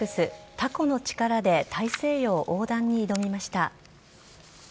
たこの力で大西洋横断に挑みました。